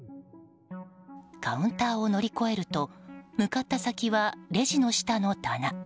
カウンターを乗り越えると向かった先はレジの下の棚。